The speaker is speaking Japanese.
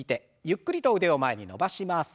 ゆっくりと腕を前に伸ばします。